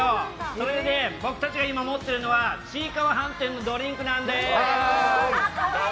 それで僕たちが今持っているのはちいかわ飯店のドリンクなんです。